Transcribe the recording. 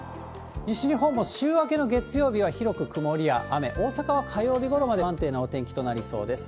西日本も週明けの月曜日は広く曇りや雨、大阪は火曜日ごろまで不安定なお天気となりそうです。